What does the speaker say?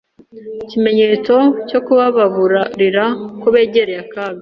kimenyetso cyo kubaburira ko begereye akaga